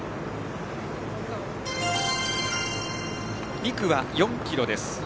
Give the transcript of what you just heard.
２区は４ｋｍです。